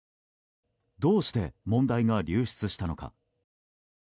どうして、問題が流出したのか。